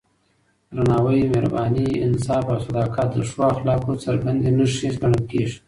درناوی، مهرباني، انصاف او صداقت د ښو اخلاقو څرګندې نښې ګڼل کېږي.